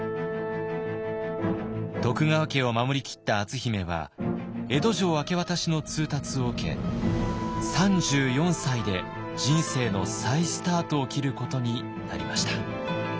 徳川家を守りきった篤姫は江戸城明け渡しの通達を受け３４歳で人生の再スタートを切ることになりました。